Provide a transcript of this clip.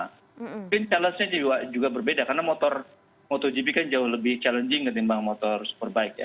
tapi challenge nya juga berbeda karena motor motogp kan jauh lebih challenging ketimbang motor superbike ya